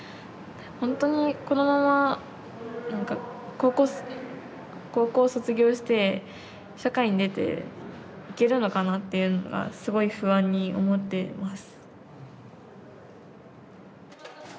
ほんとにこのままなんか高校卒業して社会に出ていけるのかなっていうのがすごい不安に思ってます。